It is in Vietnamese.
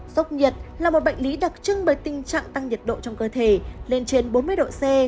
sốc nhiệt là một bệnh lý đặc trưng bởi tình trạng tăng nhiệt độ trong cơ thể lên trên bốn mươi độ c